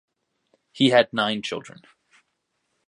He had nine children.